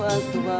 gak usah pak